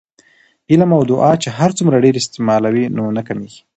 علم او دعاء چې هرڅومره ډیر استعمالوې نو نه کمېږي